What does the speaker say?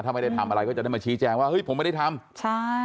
ถ้าไม่ได้ทำอะไรก็จะได้มาชี้แจงว่าเฮ้ยผมไม่ได้ทำใช่